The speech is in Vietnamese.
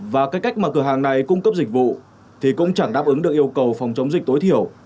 và cái cách mà cửa hàng này cung cấp dịch vụ thì cũng chẳng đáp ứng được yêu cầu phòng chống dịch tối thiểu